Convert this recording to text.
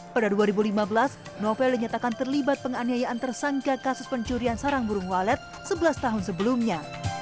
pada dua ribu lima belas novel dinyatakan terlibat penganiayaan tersangka kasus pencurian sarang burung walet sebelas tahun sebelumnya